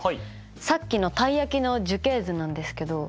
さっきのたい焼きの樹形図なんですけど。